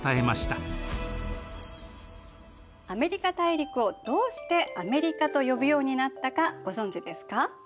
アメリカ大陸をどうしてアメリカと呼ぶようになったかご存じですか？